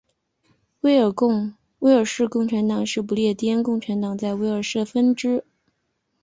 威尔士共产党是不列颠共产党在威尔士的分支。